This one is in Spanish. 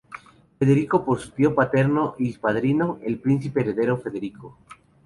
Federico por su tío paterno y padrino, el príncipe heredero Federico.